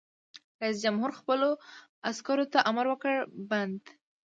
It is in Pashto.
رئیس جمهور خپلو عسکرو ته امر وکړ؛ بند!